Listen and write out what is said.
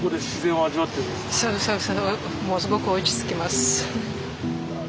もうすごく落ち着きます。